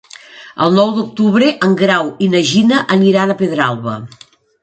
El nou d'octubre en Grau i na Gina aniran a Pedralba.